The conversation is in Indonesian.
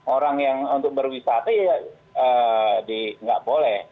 orang yang untuk berwisata ya nggak boleh